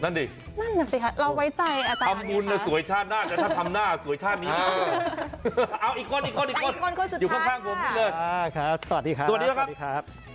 นั่นน่ะสิคะเราไว้ใจอาจารย์อย่างนี้ค่ะ